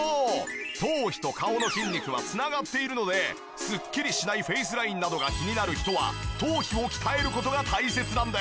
頭皮と顔の筋肉は繋がっているのでスッキリしないフェイスラインなどが気になる人は頭皮を鍛える事が大切なんです。